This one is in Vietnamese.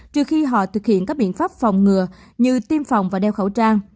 trừ khi họ thực hiện các biện pháp phòng ngừa như tiêm phòng và đeo khẩu trang